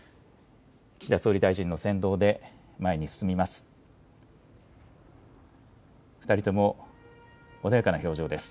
岸田総理大臣の先導で前に進みます。